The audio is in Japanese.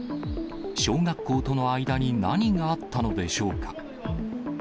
小学校との間に何があったのでしょうか。